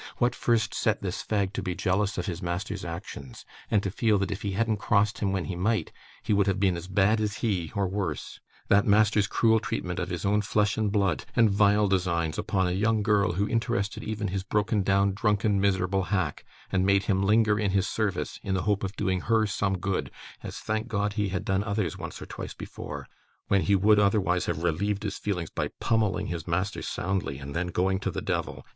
What first set this fag to be jealous of his master's actions, and to feel that, if he hadn't crossed him when he might, he would have been as bad as he, or worse? That master's cruel treatment of his own flesh and blood, and vile designs upon a young girl who interested even his broken down, drunken, miserable hack, and made him linger in his service, in the hope of doing her some good (as, thank God, he had done others once or twice before), when he would, otherwise, have relieved his feelings by pummelling his master soundly, and then going to the Devil.